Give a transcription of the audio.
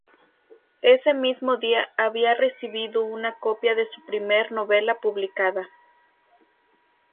Ese mismo día había recibido una copia de su primer novela publicada.